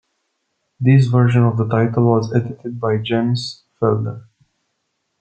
This version of the title was edited by James Felder.